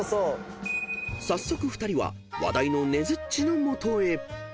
［早速２人は話題のねづっちの元へ］